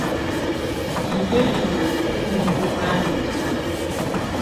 Inyə yɛ wəsu muəndu a ndɔ náa.